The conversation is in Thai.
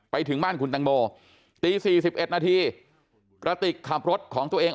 ไปถึงบ้านคุณตังโมตี๔๑นาทีกระติกขับรถของตัวเอง